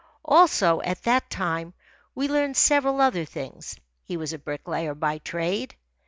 Also, at that time, we learned several other things. He was a bricklayer by trade.